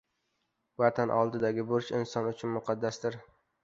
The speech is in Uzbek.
Vatan oldidagi burch inson uchun muqaddasdir.